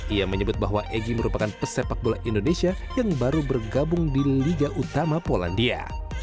ia menyebut bahwa egy merupakan pesepak bola indonesia yang baru bergabung di liga utama polandia